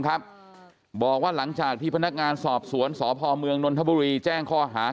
ครับบอกว่าหลังจากที่พนักงานสอบสวนสพเมืองนนทบุรีแจ้งข้อหา